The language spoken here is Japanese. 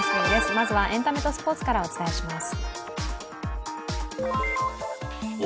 まずはエンタメとスポーツからお伝えします。